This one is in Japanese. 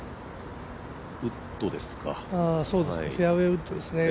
ウッドですか。